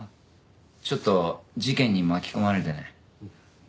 ちょっと事件に巻き込まれてね。